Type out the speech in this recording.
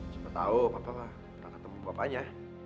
siapa tau papa gak ketemu bapaknya